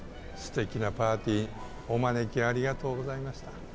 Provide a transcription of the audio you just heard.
素敵なパーティーお招きありがとうございました。